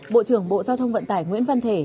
bộ trưởng bộ giao thông vận tải nguyễn văn thể